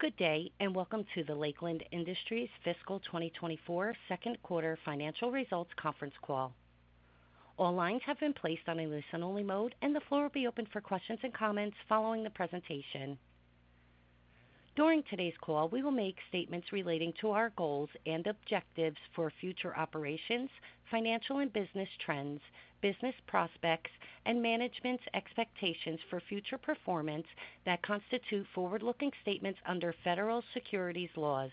Good day, and welcome to the Lakeland Industries Fiscal 2024 second quarter financial results conference call. All lines have been placed on a listen-only mode, and the floor will be open for questions and comments following the presentation. During today's call, we will make statements relating to our goals and objectives for future operations, financial and business trends, business prospects, and management's expectations for future performance that constitute forward-looking statements under federal securities laws.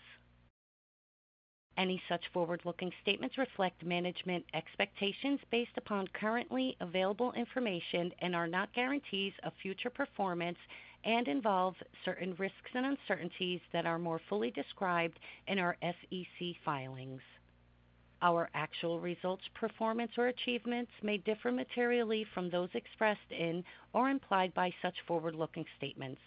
Any such forward-looking statements reflect management expectations based upon currently available information and are not guarantees of future performance and involve certain risks and uncertainties that are more fully described in our SEC filings. Our actual results, performance, or achievements may differ materially from those expressed in or implied by such forward-looking statements.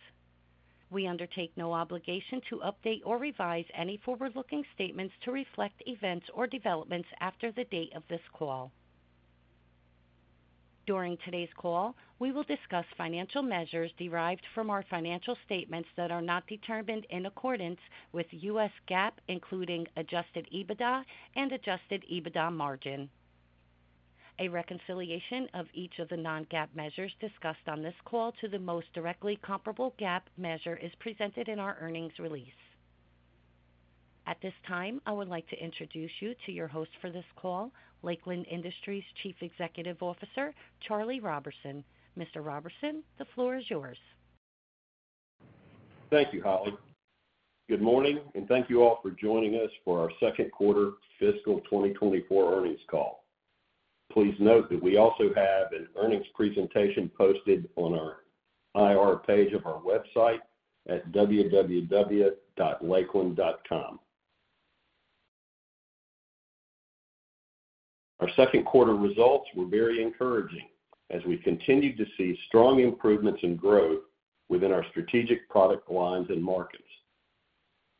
We undertake no obligation to update or revise any forward-looking statements to reflect events or developments after the date of this call. During today's call, we will discuss financial measures derived from our financial statements that are not determined in accordance with U.S. GAAP, including adjusted EBITDA and adjusted EBITDA margin. A reconciliation of each of the non-GAAP measures discussed on this call to the most directly comparable GAAP measure is presented in our earnings release. At this time, I would like to introduce you to your host for this call, Lakeland Industries Chief Executive Officer, Charlie Roberson. Mr. Roberson, the floor is yours. Thank you, Holly. Good morning, and thank you all for joining us for our second quarter fiscal 2024 earnings call. Please note that we also have an earnings presentation posted on our IR page of our website at www.lakeland.com. Our second quarter results were very encouraging as we continued to see strong improvements in growth within our strategic product lines and markets.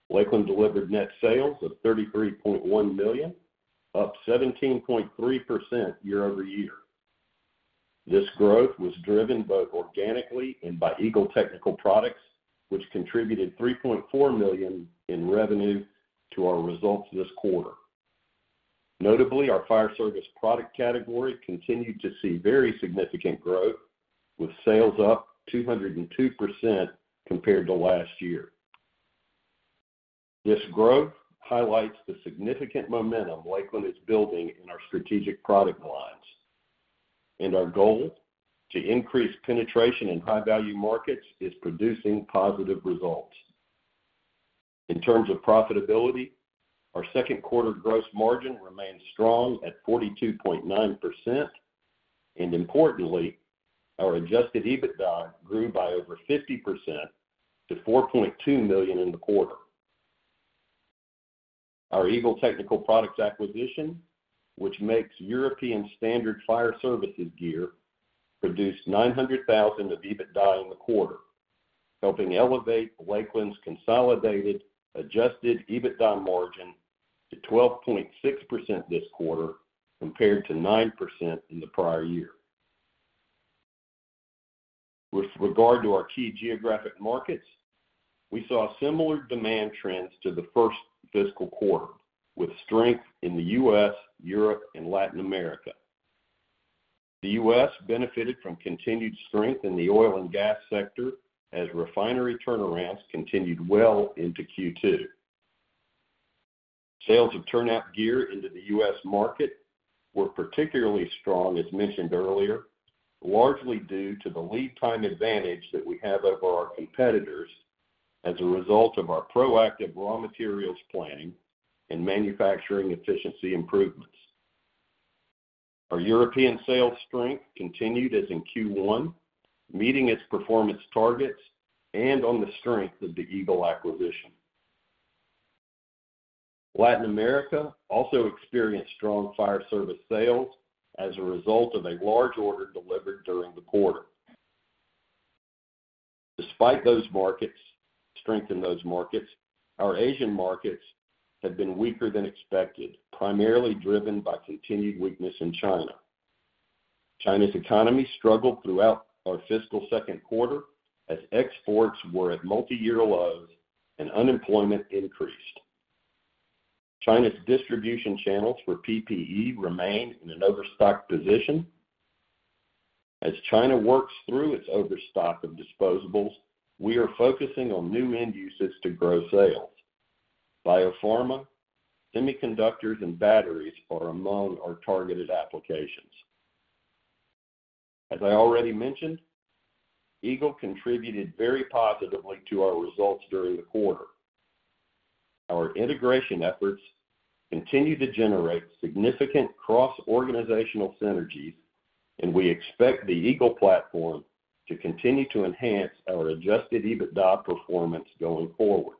Lakeland delivered net sales of $33.1 million, up 17.3% year-over-year. This growth was driven both organically and by Eagle Technical Products, which contributed $3.4 million in revenue to our results this quarter. Notably, our fire service product category continued to see very significant growth, with sales up 202% compared to last year. This growth highlights the significant momentum Lakeland is building in our strategic product lines, and our goal to increase penetration in high-value markets is producing positive results. In terms of profitability, our second quarter gross margin remained strong at 42.9%, and importantly, our adjusted EBITDA grew by over 50% to $4.2 million in the quarter. Our Eagle Technical Products acquisition, which makes European standard fire service gear, produced $900,000 of EBITDA in the quarter, helping elevate Lakeland's consolidated adjusted EBITDA margin to 12.6% this quarter, compared to 9% in the prior year. With regard to our key geographic markets, we saw similar demand trends to the first fiscal quarter, with strength in the U.S., Europe, and Latin America. The U.S. benefited from continued strength in the oil and gas sector as refinery turnarounds continued well into Q2. Sales of turnout gear into the U.S. market were particularly strong, as mentioned earlier, largely due to the lead time advantage that we have over our competitors as a result of our proactive raw materials planning and manufacturing efficiency improvements. Our European sales strength continued as in Q1, meeting its performance targets and on the strength of the Eagle acquisition. Latin America also experienced strong fire service sales as a result of a large order delivered during the quarter. Despite those markets, strength in those markets, our Asian markets have been weaker than expected, primarily driven by continued weakness in China. China's economy struggled throughout our fiscal second quarter as exports were at multiyear lows and unemployment increased. China's distribution channels for PPE remain in an overstock position. As China works through its overstock of disposables, we are focusing on new end uses to grow sales. Biopharma, semiconductors, and batteries are among our targeted applications. As I already mentioned, Eagle contributed very positively to our results during the quarter. Our integration efforts continue to generate significant cross-organizational synergies, and we expect the Eagle platform to continue to enhance our adjusted EBITDA performance going forward.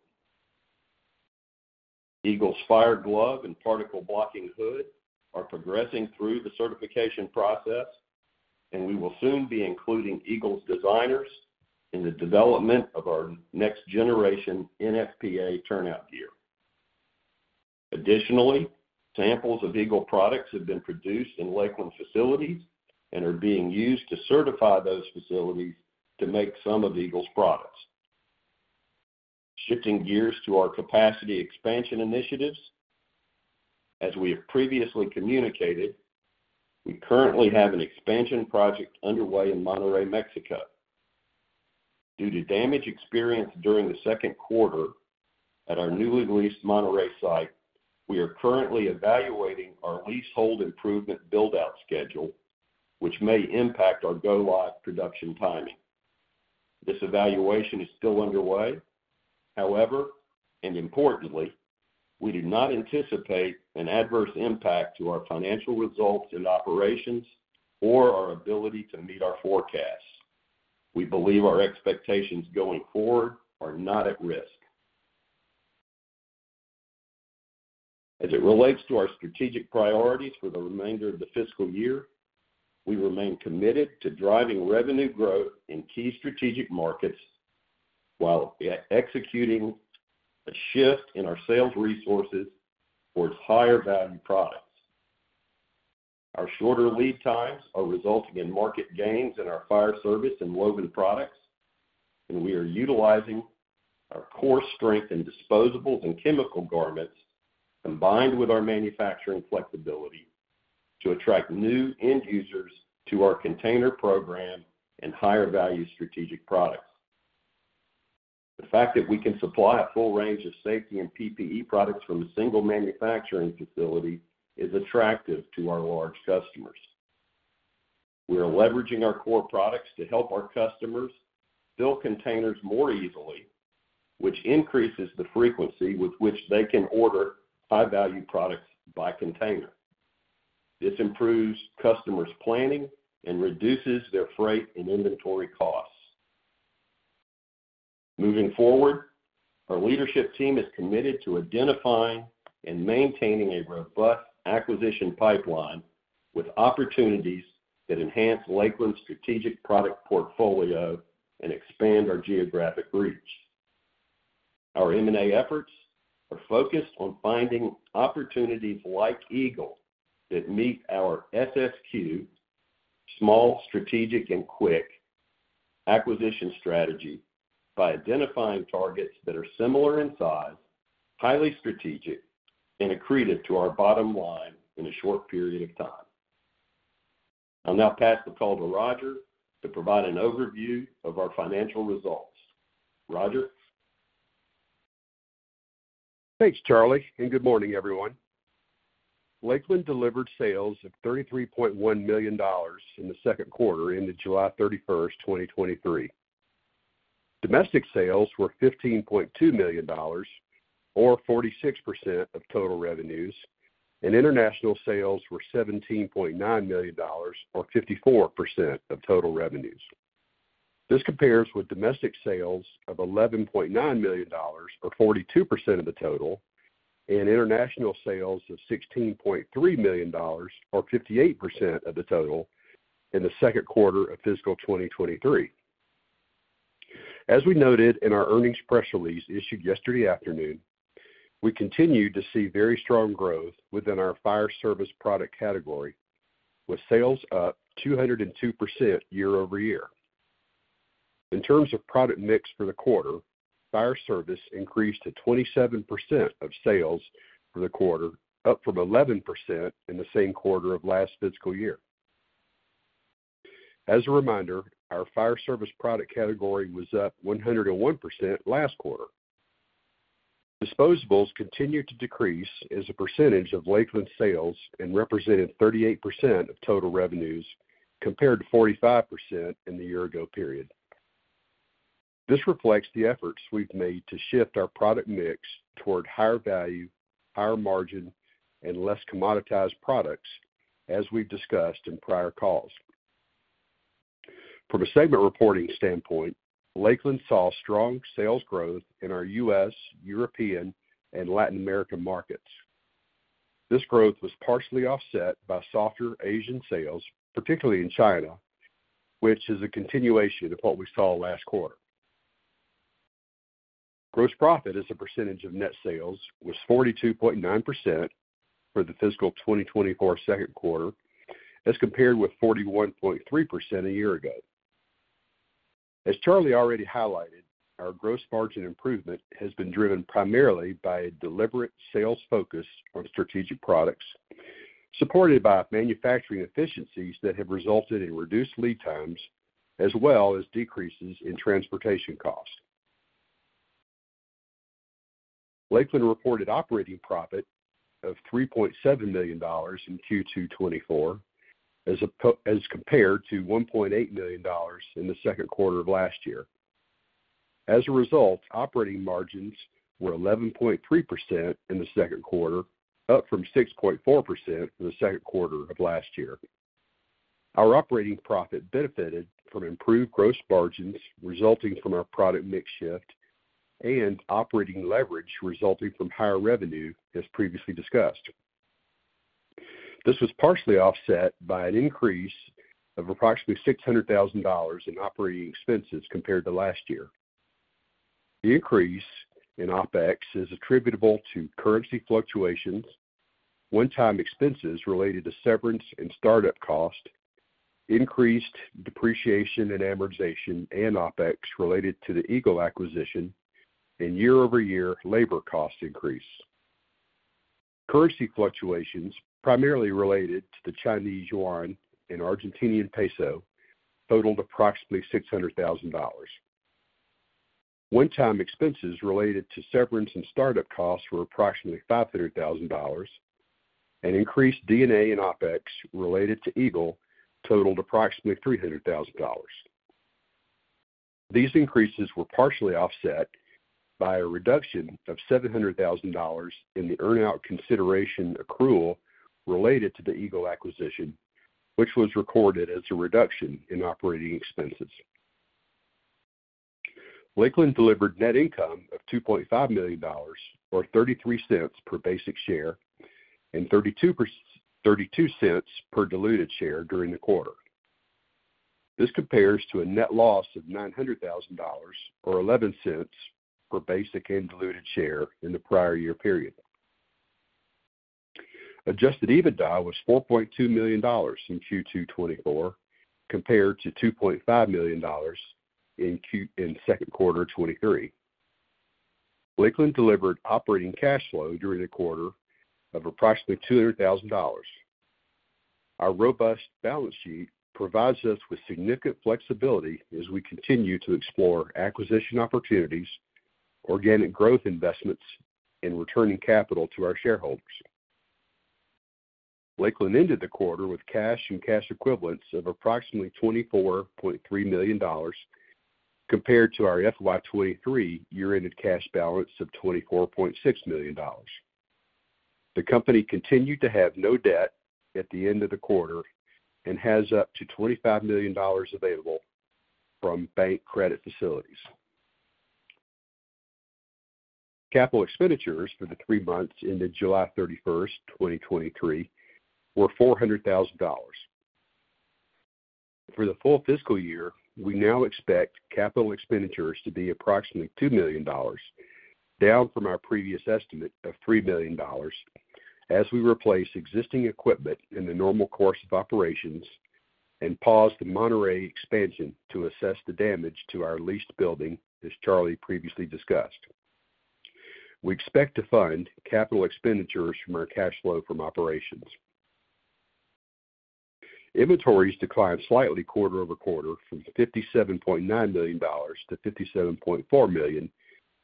Eagle's Fire Glove and Particle Blocking Hood are progressing through the certification process, and we will soon be including Eagle's designers in the development of our next-generation NFPA turnout gear. Additionally, samples of Eagle products have been produced in Lakeland facilities and are being used to certify those facilities to make some of Eagle's products. Shifting gears to our capacity expansion initiatives. As we have previously communicated, we currently have an expansion project underway in Monterrey, Mexico. Due to damage experienced during the second quarter at our newly leased Monterrey site, we are currently evaluating our leasehold improvement build-out schedule, which may impact our go-live production timing. This evaluation is still underway. However, and importantly, we do not anticipate an adverse impact to our financial results and operations or our ability to meet our forecasts. We believe our expectations going forward are not at risk. As it relates to our strategic priorities for the remainder of the fiscal year, we remain committed to driving revenue growth in key strategic markets while executing a shift in our sales resources towards higher-value products. Our shorter lead times are resulting in market gains in our fire service and woven products, and we are utilizing our core strength in disposables and chemical garments, combined with our manufacturing flexibility, to attract new end users to our Container Program and higher-value strategic products. The fact that we can supply a full range of safety and PPE products from a single manufacturing facility is attractive to our large customers. We are leveraging our core products to help our customers fill containers more easily, which increases the frequency with which they can order high-value products by container. This improves customers' planning and reduces their freight and inventory costs. Moving forward, our leadership team is committed to identifying and maintaining a robust acquisition pipeline with opportunities that enhance Lakeland's strategic product portfolio and expand our geographic reach. Our M&A efforts are focused on finding opportunities like Eagle that meet our SSQ, small, strategic, and quick acquisition strategy by identifying targets that are similar in size, highly strategic, and accretive to our bottom line in a short period of time. I'll now pass the call to Roger to provide an overview of our financial results. Roger? Thanks, Charlie, and good morning, everyone. Lakeland delivered sales of $33.1 million in the second quarter, ended July 31, 2023. Domestic sales were $15.2 million, or 46% of total revenues, and international sales were $17.9 million, or 54% of total revenues. This compares with domestic sales of $11.9 million, or 42% of the total, and international sales of $16.3 million, or 58% of the total, in the second quarter of fiscal 2023. As we noted in our earnings press release issued yesterday afternoon, we continued to see very strong growth within our fire service product category, with sales up 202% year-over-year. In terms of product mix for the quarter, fire service increased to 27% of sales for the quarter, up from 11% in the same quarter of last fiscal year. As a reminder, our fire service product category was up 101% last quarter. Disposables continued to decrease as a percentage of Lakeland sales and represented 38% of total revenues, compared to 45% in the year ago period. This reflects the efforts we've made to shift our product mix toward higher value, higher margin, and less commoditized products, as we've discussed in prior calls. From a segment reporting standpoint, Lakeland saw strong sales growth in our U.S., European, and Latin American markets. This growth was partially offset by softer Asian sales, particularly in China, which is a continuation of what we saw last quarter. Gross profit as a percentage of net sales was 42.9% for the fiscal 2024 second quarter, as compared with 41.3% a year ago. As Charlie already highlighted, our gross margin improvement has been driven primarily by a deliberate sales focus on strategic products, supported by manufacturing efficiencies that have resulted in reduced lead times, as well as decreases in transportation costs. Lakeland reported operating profit of $3.7 million in Q2 2024, as compared to $1.8 million in the second quarter of last year. As a result, operating margins were 11.3% in the second quarter, up from 6.4% in the second quarter of last year. Our operating profit benefited from improved gross margins resulting from our product mix shift and operating leverage resulting from higher revenue, as previously discussed. This was partially offset by an increase of approximately $600,000 in operating expenses compared to last year. The increase in OpEx is attributable to currency fluctuations, one-time expenses related to severance and start-up costs, increased depreciation and amortization, and OpEx related to the Eagle acquisition, and year-over-year labor cost increase. Currency fluctuations, primarily related to the Chinese yuan and Argentine peso, totaled approximately $600,000. One-time expenses related to severance and start-up costs were approximately $500,000, and increased D&A and OpEx related to Eagle totaled approximately $300,000. These increases were partially offset by a reduction of $700,000 in the earn-out consideration accrual related to the Eagle acquisition, which was recorded as a reduction in operating expenses. Lakeland delivered net income of $2.5 million, or $0.33 per basic share, and $0.32 per diluted share during the quarter. This compares to a net loss of $900,000 or $0.11 per basic and diluted share in the prior year period. Adjusted EBITDA was $4.2 million in Q2 2024, compared to $2.5 million in second quarter 2023. Lakeland delivered operating cash flow during the quarter of approximately $200,000. Our robust balance sheet provides us with significant flexibility as we continue to explore acquisition opportunities, organic growth investments, and returning capital to our shareholders. Lakeland ended the quarter with cash and cash equivalents of approximately $24.3 million, compared to our FY 2023 year-ended cash balance of $24.6 million. The company continued to have no debt at the end of the quarter and has up to $25 million available from bank credit facilities. Capital expenditures for the three months ended July 31, 2023, were $400,000. For the full fiscal year, we now expect capital expenditures to be approximately $2 million, down from our previous estimate of $3 million, as we replace existing equipment in the normal course of operations and pause the Monterrey expansion to assess the damage to our leased building, as Charlie previously discussed. We expect to fund capital expenditures from our cash flow from operations. Inventories declined slightly quarter-over-quarter from $57.9 million to $57.4 million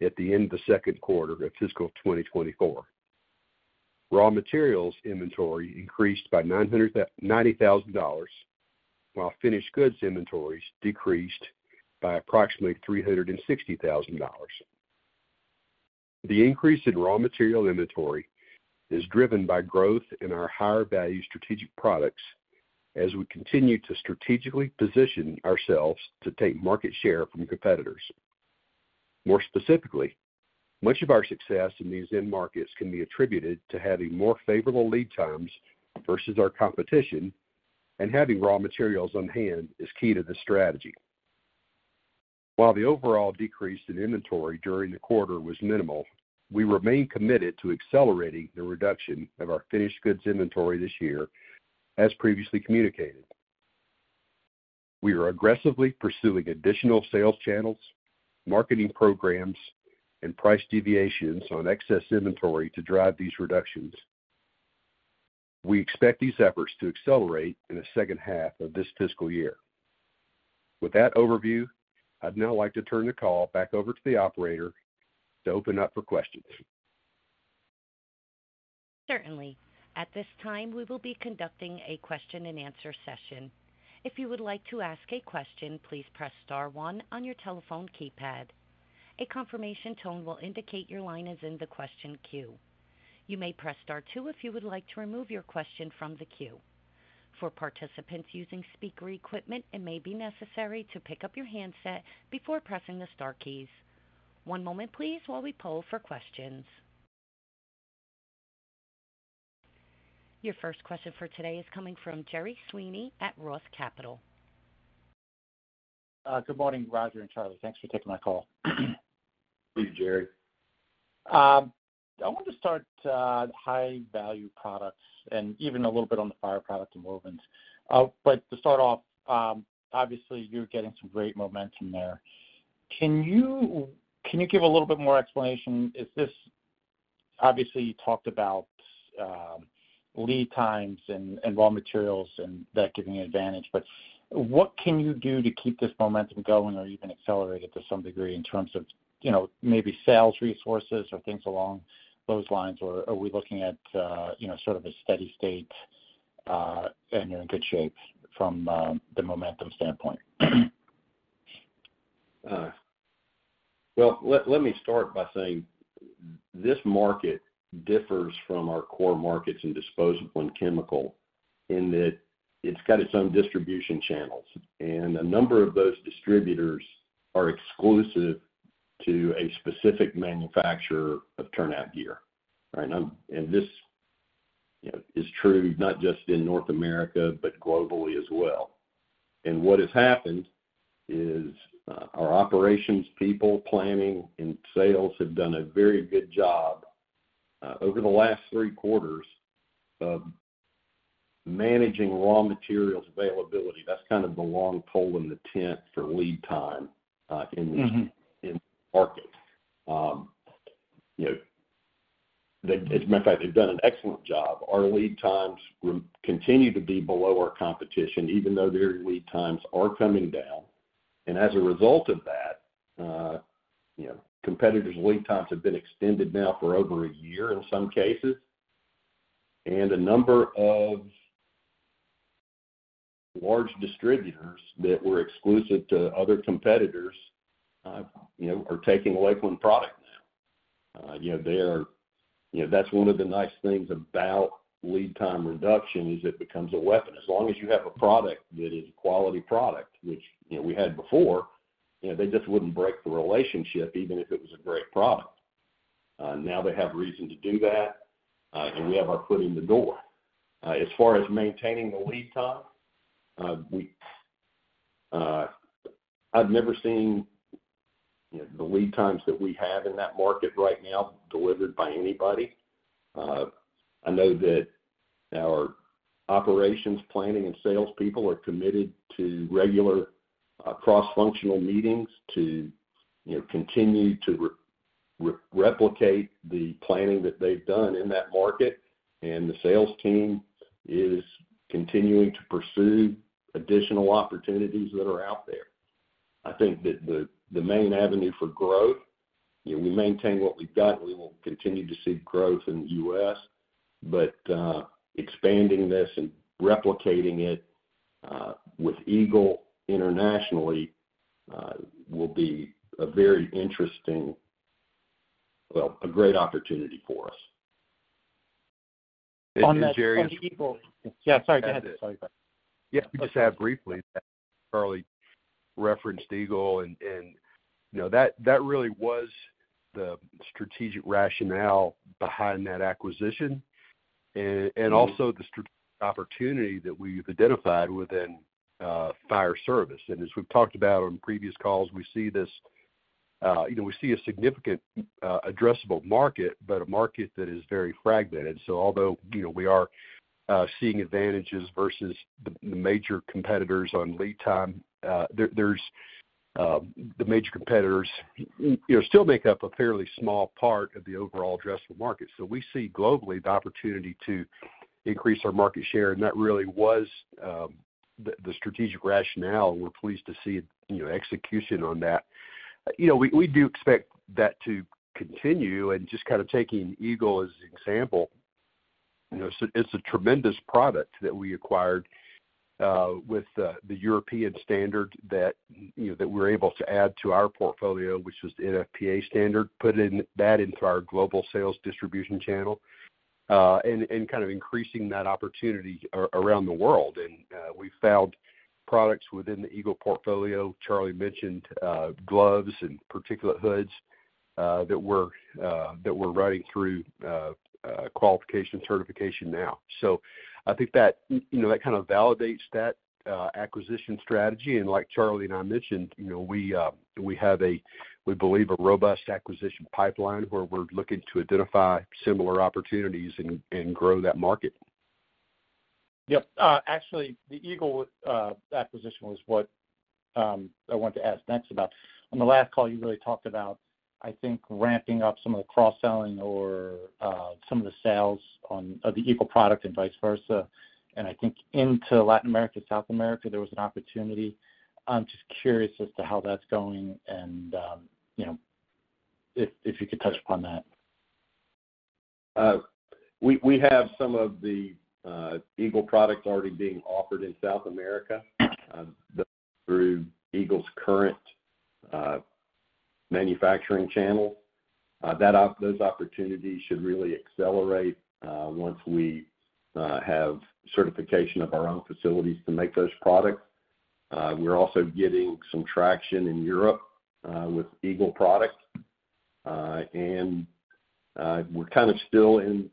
at the end of the second quarter of fiscal 2024. Raw materials inventory increased by $90,000, while finished goods inventories decreased by approximately $360,000. The increase in raw material inventory is driven by growth in our higher value strategic products as we continue to strategically position ourselves to take market share from competitors. More specifically, much of our success in these end markets can be attributed to having more favorable lead times versus our competition, and having raw materials on hand is key to this strategy. While the overall decrease in inventory during the quarter was minimal, we remain committed to accelerating the reduction of our finished goods inventory this year, as previously communicated. We are aggressively pursuing additional sales channels, marketing programs, and price deviations on excess inventory to drive these reductions. We expect these efforts to accelerate in the second half of this fiscal year. With that overview, I'd now like to turn the call back over to the operator to open up for questions. Certainly. At this time, we will be conducting a question-and-answer session. If you would like to ask a question, please press star one on your telephone keypad. A confirmation tone will indicate your line is in the question queue. You may press star two if you would like to remove your question from the queue. For participants using speaker equipment, it may be necessary to pick up your handset before pressing the star keys. One moment please, while we poll for questions. Your first question for today is coming from Gerry Sweeney at Roth Capital. Good morning, Roger and Charlie. Thanks for taking my call. Good, Gerry. I want to start, high-value products and even a little bit on the fire product movement. But to start off, obviously, you're getting some great momentum there. Can you, can you give a little bit more explanation? Is this, obviously, you talked about, lead times and, and raw materials and that giving you advantage, but what can you do to keep this momentum going or even accelerate it to some degree in terms of, you know, maybe sales resources or things along those lines? Or are we looking at, you know, sort of a steady state, and you're in good shape from, the momentum standpoint? Well, let me start by saying this market differs from our core markets in disposable and chemical, in that it's got its own distribution channels, and a number of those distributors are exclusive to a specific manufacturer of turnout gear, right? And this, you know, is true not just in North America, but globally as well. And what has happened is, our operations people, planning, and sales have done a very good job, over the last three quarters of managing raw materials availability. That's kind of the long pole in the tent for lead time, in the market. You know, they as a matter of fact, they've done an excellent job. Our lead times continue to be below our competition, even though their lead times are coming down. And as a result of that, you know, competitors' lead times have been extended now for over a year in some cases. And a number of large distributors that were exclusive to other competitors, you know, are taking Lakeland products now. You know, they are. You know, that's one of the nice things about lead time reduction, is it becomes a weapon. As long as you have a product that is a quality product, which, you know, we had before, you know, they just wouldn't break the relationship, even if it was a great product. Now they have reason to do that, and we have our foot in the door. As far as maintaining the lead time, we, I've never seen, you know, the lead times that we have in that market right now delivered by anybody. I know that our operations, planning, and sales people are committed to regular, you know, cross-functional meetings to, you know, continue to replicate the planning that they've done in that market. And the sales team is continuing to pursue additional opportunities that are out there. I think that the main avenue for growth, you know, we maintain what we've got, and we will continue to see growth in the U.S. Expanding this and replicating it, you know, with Eagle internationally will be a very interesting... Well, a great opportunity for us. On that, on Eagle- And, Gerry- Yeah, sorry, go ahead. Sorry about that. Yeah. Just add briefly that Charlie referenced Eagle, and you know that really was the strategic rationale behind that acquisition. And also the strategic opportunity that we've identified within fire service. And as we've talked about on previous calls, we see this. You know, we see a significant addressable market, but a market that is very fragmented. So although you know we are seeing advantages versus the major competitors on lead time, the major competitors you know still make up a fairly small part of the overall addressable market. So we see globally the opportunity to increase our market share, and that really was the strategic rationale, and we're pleased to see you know execution on that. You know, we do expect that to continue, and just kind of taking Eagle as an example, you know, so it's a tremendous product that we acquired with the European standard that, you know, that we're able to add to our portfolio, which was the NFPA standard, putting that into our global sales distribution channel, and kind of increasing that opportunity around the world. And we found products within the Eagle portfolio, Charlie mentioned, gloves and particulate hoods that we're running through qualification and certification now. So I think that, you know, that kind of validates that acquisition strategy. And like Charlie and I mentioned, you know, we have a, we believe a robust acquisition pipeline, where we're looking to identify similar opportunities and grow that market. Yep. Actually, the Eagle acquisition was what I wanted to ask next about. On the last call, you really talked about, I think, ramping up some of the cross-selling or some of the sales on, of the Eagle product and vice versa. I think into Latin America, South America, there was an opportunity. I'm just curious as to how that's going, and you know, if you could touch upon that. We have some of the Eagle products already being offered in South America through Eagle's current manufacturing channel. Those opportunities should really accelerate once we have certification of our own facilities to make those products. We're also getting some traction in Europe with Eagle products. And we're kind of still in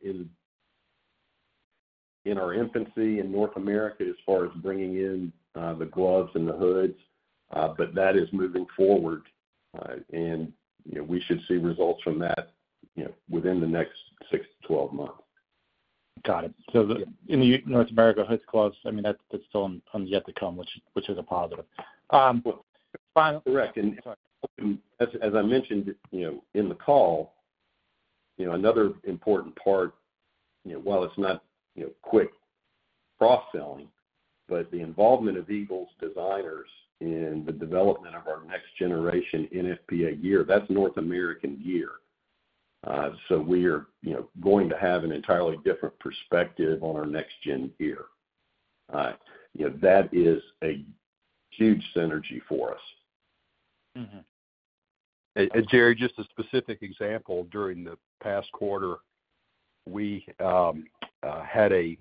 our infancy in North America as far as bringing in the gloves and the hoods, but that is moving forward. And you know, we should see results from that, you know, within the next six to 12 months. Got it. So the- In North America, hoods, gloves, I mean, that's still on yet to come, which is a positive. Final- Correct. Sorry. As I mentioned, you know, in the call, you know, another important part, you know, while it's not, you know, quick cross-selling, but the involvement of Eagle's designers in the development of our next generation NFPA gear, that's North American gear. So we are, you know, going to have an entirely different perspective on our next gen gear. You know, that is a huge synergy for us. Gerry, just a specific example, during the past quarter, we had a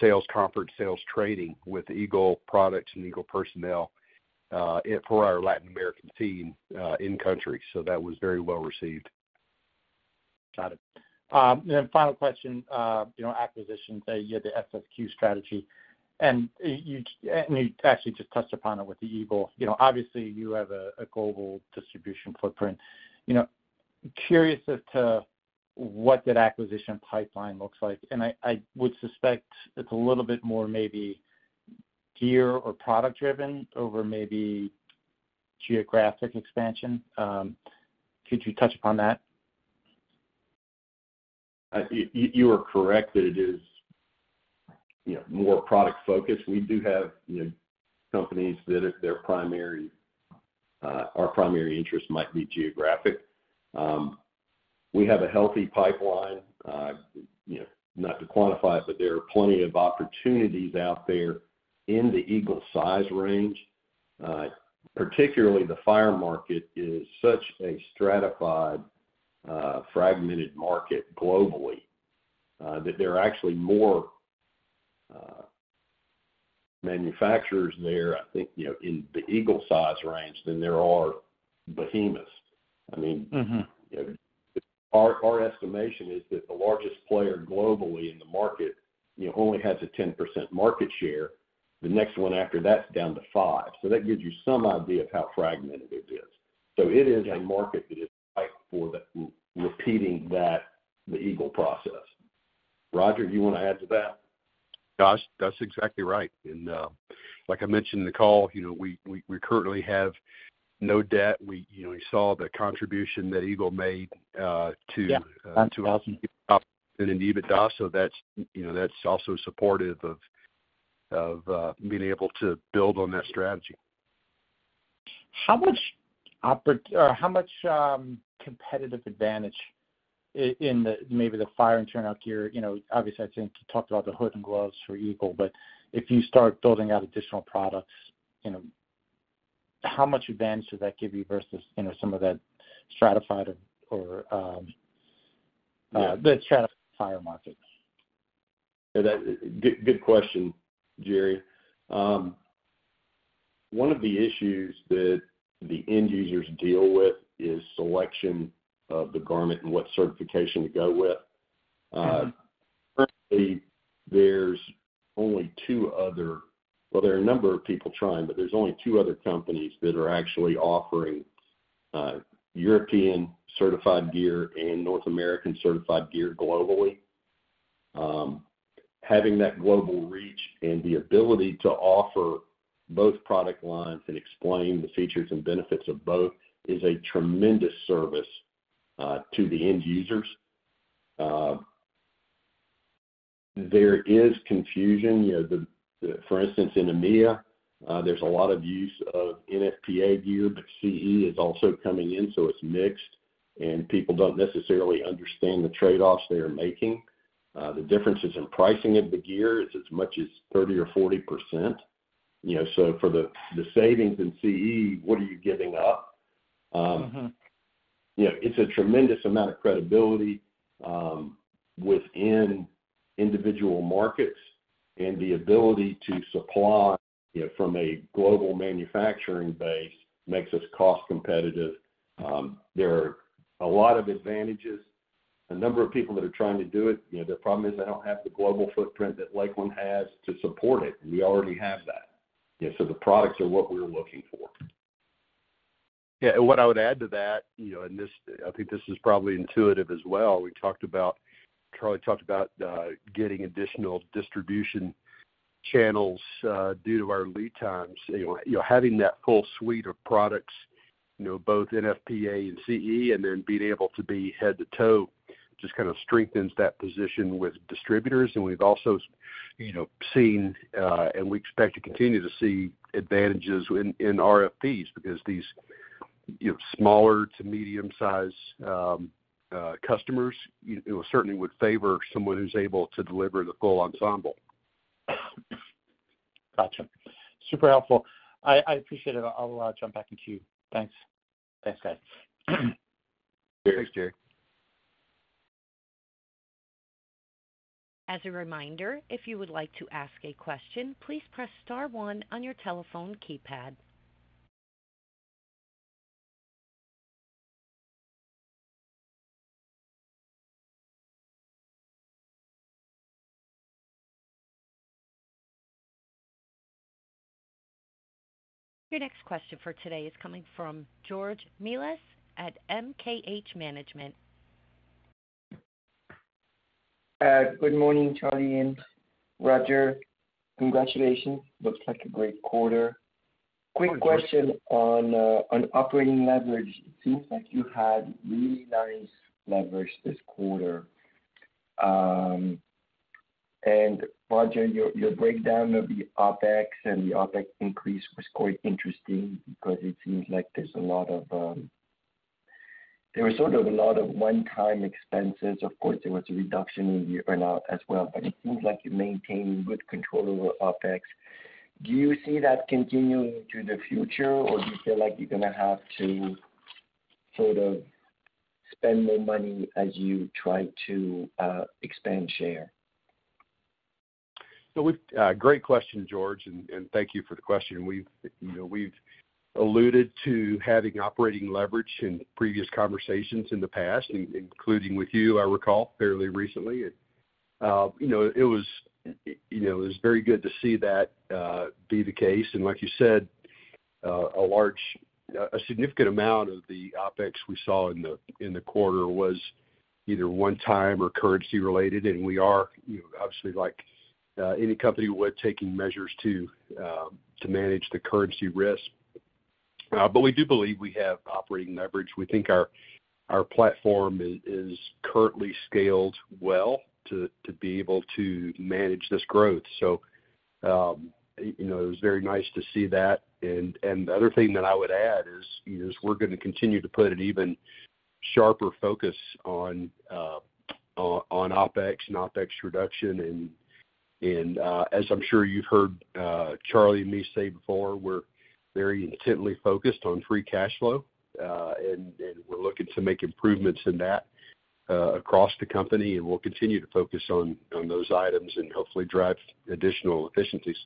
sales conference, sales training with Eagle products and Eagle personnel, it for our Latin American team, in country. So that was very well-received. Got it. Then final question, you know, acquisitions, you had the SSQ strategy, and you, and you actually just touched upon it with the Eagle. You know, obviously, you have a global distribution footprint. You know, curious as to what that acquisition pipeline looks like, and I would suspect it's a little bit more maybe gear or product driven over maybe geographic expansion. Could you touch upon that? You are correct that it is, you know, more product focused. We do have, you know, companies that if their primary, our primary interest might be geographic. We have a healthy pipeline, you know, not to quantify it, but there are plenty of opportunities out there in the Eagle size range. Particularly the fire market is such a stratified, fragmented market globally, that there are actually more, manufacturers there, I think, you know, in the Eagle size range than there are behemoths. I mean- Our estimation is that the largest player globally in the market, you know, only has a 10% market share. The next one after that’s down to 5%. So that gives you some idea of how fragmented it is. So it is a market that is ripe for repeating that, the Eagle process. Roger, do you want to add to that? Gosh, that's exactly right. And, like I mentioned in the call, you know, we currently have no debt. We, you know, saw the contribution that Eagle made, to us and in EBITDA, so that's, you know, that's also supportive of being able to build on that strategy. How much or how much competitive advantage in the, maybe the fire and turnout gear, you know, obviously, I think you talked about the hood and gloves for Eagle, but if you start building out additional products, you know, how much advantage does that give you versus, you know, some of that stratified or the stratified fire market? Yeah, good question, Gerry. One of the issues that the end users deal with is selection of the garment and what certification to go with. Currently, there's only two other. Well, there are a number of people trying, but there's only two other companies that are actually offering European-certified gear and North American-certified gear globally. Having that global reach and the ability to offer both product lines and explain the features and benefits of both is a tremendous service to the end users. There is confusion, you know, the, for instance, in EMEA, there's a lot of use of NFPA gear, but CE is also coming in, so it's mixed, and people don't necessarily understand the trade-offs they are making. The differences in pricing of the gear is as much as 30%-40%. You know, so for the savings in CE, what are you giving up? You know, it's a tremendous amount of credibility, within individual markets, and the ability to supply, you know, from a global manufacturing base makes us cost competitive. There are a lot of advantages. A number of people that are trying to do it, you know, their problem is they don't have the global footprint that Lakeland has to support it. We already have that. You know, so the products are what we're looking for. Yeah, and what I would add to that, you know, and this, I think this is probably intuitive as well. We talked about, Charlie talked about, getting additional distribution channels, due to our lead times. You know, having that full suite of products, you know, both NFPA and CE, and then being able to be head to toe, just kind of strengthens that position with distributors. And we've also, you know, seen, and we expect to continue to see advantages in, in RFPs because these, you know, smaller to medium-sized, customers, you know, certainly would favor someone who's able to deliver the full ensemble. Gotcha. Super helpful. I appreciate it. I'll jump back into you. Thanks. Thanks, guys. Thanks, Gerry. As a reminder, if you would like to ask a question, please press star one on your telephone keypad. Your next question for today is coming from George Melas at MKH Management. Good morning, Charlie and Roger. Congratulations. Looks like a great quarter. Quick question on operating leverage. It seems like you had really nice leverage this quarter. And Roger, your breakdown of the OpEx and the OpEx increase was quite interesting because it seems like there's a lot of one-time expenses. Of course, there was a reduction in earnout as well, but it seems like you're maintaining good control over OpEx. Do you see that continuing into the future, or do you feel like you're gonna have to sort of spend more money as you try to expand share? Great question, George, and thank you for the question. We've, you know, we've alluded to having operating leverage in previous conversations in the past, including with you, I recall fairly recently. You know, it was very good to see that be the case. Like you said, a significant amount of the OpEx we saw in the quarter was either one time or currency related, and we are, you know, obviously like any company, we're taking measures to manage the currency risk. We do believe we have operating leverage. We think our platform is currently scaled well to be able to manage this growth. You know, it was very nice to see that. The other thing that I would add is, we're gonna continue to put an even sharper focus on OpEx and OpEx reduction. And, as I'm sure you've heard, Charlie and me say before, we're very intently focused on free cash flow. And we're looking to make improvements in that across the company, and we'll continue to focus on those items and hopefully drive additional efficiencies.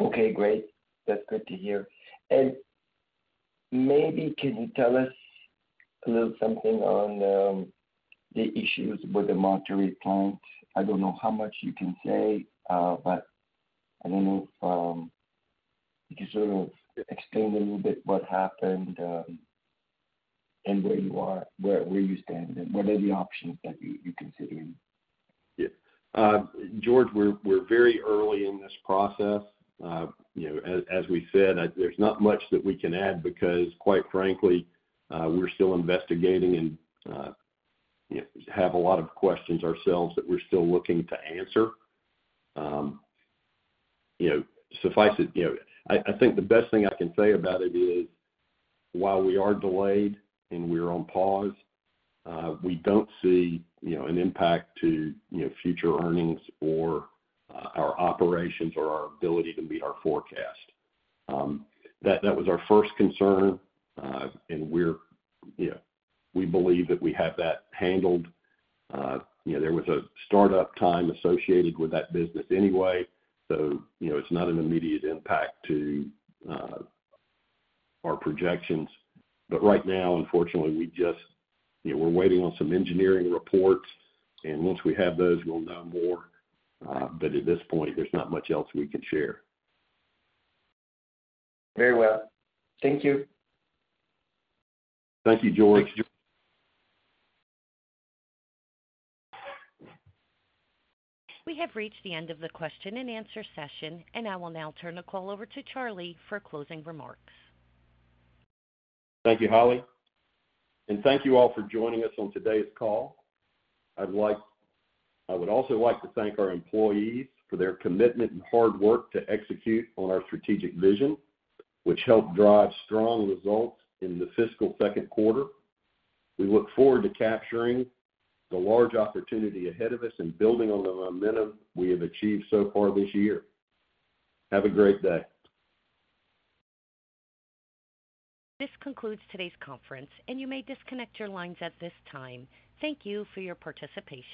Okay, great. That's good to hear. And maybe can you tell us a little something on the issues with the Monterrey plant? I don't know how much you can say, but I don't know if you can sort of explain a little bit what happened, and where you are, where you stand, and what are the options that you, you're considering? Yeah. George, we're very early in this process. You know, as we said, there's not much that we can add because, quite frankly, we're still investigating and, you know, have a lot of questions ourselves that we're still looking to answer. You know, suffice it... You know, I think the best thing I can say about it is, while we are delayed and we're on pause, we don't see, you know, an impact to, you know, future earnings or, our operations or our ability to meet our forecast. That was our first concern, and we're, you know, we believe that we have that handled. You know, there was a start-up time associated with that business anyway, so, you know, it's not an immediate impact to, our projections. Right now, unfortunately, we just, you know, we're waiting on some engineering reports, and once we have those, we'll know more. At this point, there's not much else we can share. Very well. Thank you. Thank you, George. We have reached the end of the question-and-answer session, and I will now turn the call over to Charlie for closing remarks. Thank you, Holly. Thank you all for joining us on today's call. I'd like—I would also like to thank our employees for their commitment and hard work to execute on our strategic vision, which helped drive strong results in the fiscal second quarter. We look forward to capturing the large opportunity ahead of us and building on the momentum we have achieved so far this year. Have a great day. This concludes today's conference, and you may disconnect your lines at this time. Thank you for your participation.